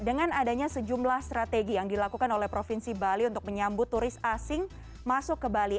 dengan adanya sejumlah strategi yang dilakukan oleh provinsi bali untuk menyambut turis asing masuk ke bali